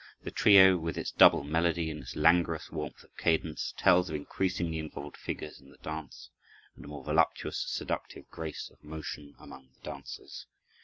The trio, with its double melody and its languorous warmth of cadence, tells of increasingly involved figures in the dance and a more voluptuous, seductive grace of motion among the dancers.